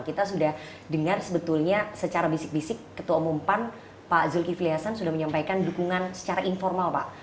kita sudah dengar sebetulnya secara bisik bisik ketua umum pan pak zulkifli hasan sudah menyampaikan dukungan secara informal pak